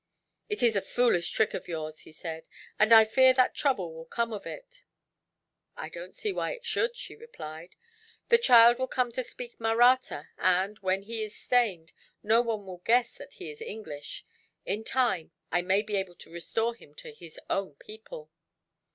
"It is a foolish trick of yours," he said, "and I fear that trouble will come of it." "I don't see why it should," she replied. "The child will come to speak Mahratta and, when he is stained, none will guess that he is English. In time, I may be able to restore him to his own people."